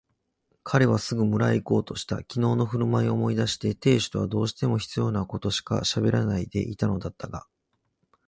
彼はすぐ村へいこうとした。きのうのふるまいを思い出して亭主とはどうしても必要なことしかしゃべらないでいたのだったが、